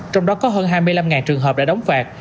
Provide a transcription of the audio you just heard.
trong đó có hơn hai mươi năm trường hợp đã đóng phạt